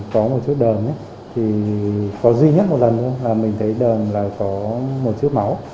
có một chiếc đờn thì có duy nhất một lần là mình thấy đờn là có một chiếc máu